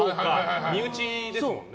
身内ですもんね。